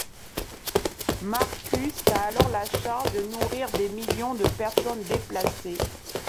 Marcus a alors la charge de nourrir des millions de personnes déplacées.